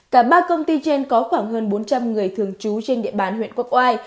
cả ba công ty trên có khoảng hơn bốn trăm linh người thường trú trên địa bàn huyện quốc oai